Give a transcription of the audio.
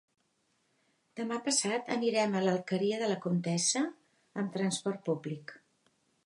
Demà passat anirem a l'Alqueria de la Comtessa amb transport públic.